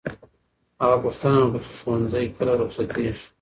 هغه پوښتنه وکړه چې ښوونځی کله رخصتېږي.